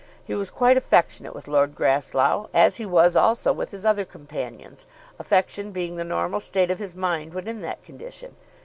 He was quite affectionate with Lord Grasslough, as he was also with his other companions, affection being the normal state of his mind when in that condition.